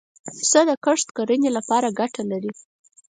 پسه د کښت کرنې له پاره ګټه لري.